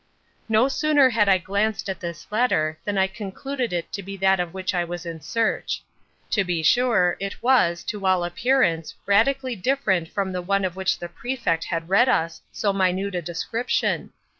"No sooner had I glanced at this letter, than I concluded it to be that of which I was in search. To be sure, it was, to all appearance, radically different from the one of which the Prefect had read us so minute a description.